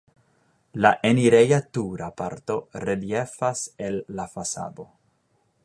La enireja-tura parto reliefas el la fasado.